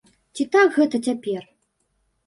Ці так гэта цяпер?